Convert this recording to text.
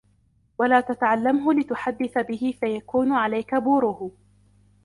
وَلَا تَتَعَلَّمْهُ لِتُحَدِّثَ بِهِ فَيَكُونُ عَلَيْك بُورُهُ